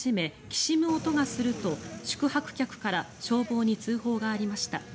きしむ音がすると宿泊客から消防に通報がありました。